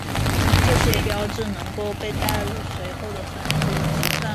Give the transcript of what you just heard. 这些标志能够被带入随后的分支及算术指令中。